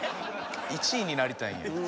１位になりたいんや。